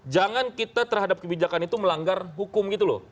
jangan kita terhadap kebijakan itu melanggar hukum gitu loh